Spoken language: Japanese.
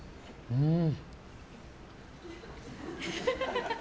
うん。